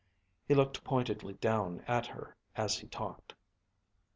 He looked pointedly down at her as he talked.